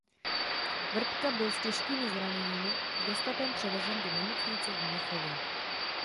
Vrbka byl s těžkými zraněními gestapem převezen do nemocnice v Mnichově.